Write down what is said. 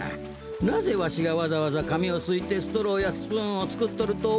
なぜわしがわざわざかみをすいてストローやスプーンをつくっとるとおもう？